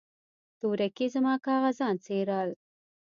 تورکي زما کاغذان څيرل.